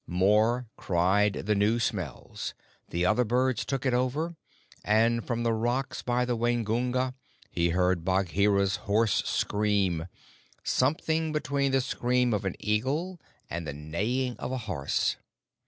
Mor cried the new smells, the other birds took it over, and from the rocks by the Waingunga he heard Bagheera's hoarse scream something between the scream of an eagle and the neighing of a horse.